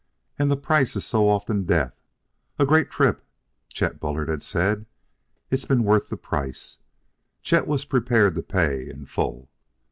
and the price is so often death. "A great trip," Chet Bullard had said; "it's been worth the price." Chet was prepared to pay in full.